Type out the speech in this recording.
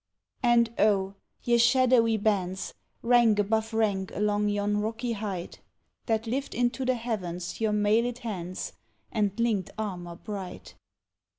And oh! ye shadowy bands, Rank above rank along yon rocky height, That lift into the heavens your mailed hands, And linked armour bright.